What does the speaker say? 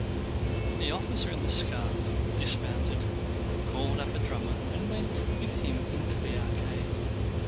The officer in the scarf dismounted, called up a drummer, and went with him into the arcade.